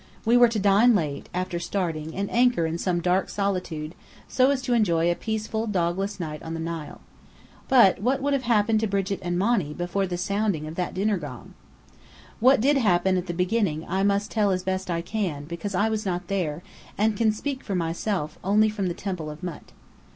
We were to dine late, after starting, and anchor in some dark solitude, so as to enjoy a peaceful, dogless night on the Nile. But what would have happened to Brigit and Monny before the sounding of that dinner gong? What did happen at the beginning I must tell as best I can, because I was not there, and can speak for myself only from the Temple of Mût.